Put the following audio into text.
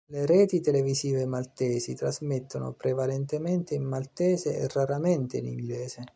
Le reti televisive maltesi trasmettono prevalentemente in maltese e raramente in inglese.